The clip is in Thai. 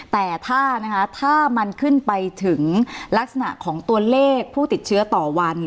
แต่ถ้ามันขึ้นไปถึงลักษณะของตัวเลขผู้ติดเชื้อต่อวัน